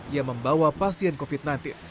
yang membawa pasien covid sembilan belas